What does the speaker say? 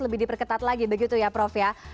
lebih diperketat lagi begitu ya prof ya